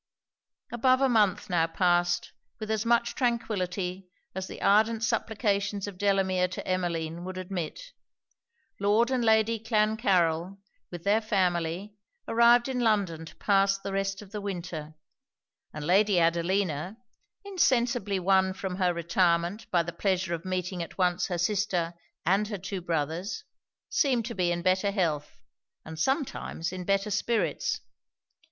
Above a month now passed with as much tranquillity as the ardent supplications of Delamere to Emmeline would admit. Lord and Lady Clancarryl, with their family, arrived in London to pass the rest of the winter; and Lady Adelina, insensibly won from her retirement by the pleasure of meeting at once her sister and her two brothers, seemed to be in better health, and sometimes in better spirits.